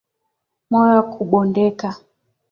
Moyo wa kubondeka.